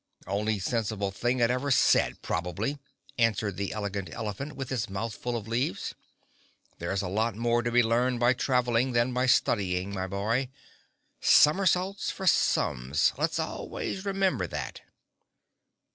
"Only sensible thing it ever said, probably," answered the Elegant Elephant, with his mouth full of leaves. "There's a lot more to be learned by traveling than by studying, my boy. Somersaults for sums—let's always remember that!"